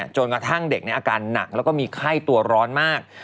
จนกระทั่งเด็กในอาการหนักแล้วก็มีไข้ตัวร้อนมาก